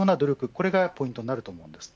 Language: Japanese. これがポイントになります。